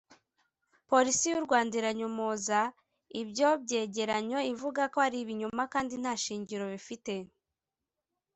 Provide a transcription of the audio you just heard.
Polisi y’u Rwanda iranyomoza ibyo byenyeranyo ivuga ko ari”ibinyoma“ kandi ”nta shingiro“ bifite